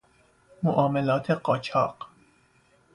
معاملات قاچاق